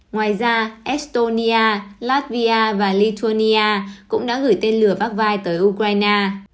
ngoài ra estonia latvia và lithuania cũng đã gửi tên lửa vakvai tới ukraine